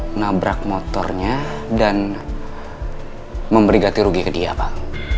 welsa nabrak motornya dan memberi gati rugi ke dia pak